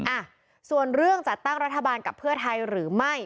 อ่ะส่วนเรื่องจัดตั้งรัฐบาลกับเพื่อไทยหรือไม่